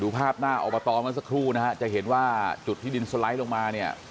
ภาพหน้าอบตเมื่อสักครู่นะฮะจะเห็นว่าจุดที่ดินสไลด์ลงมาเนี่ย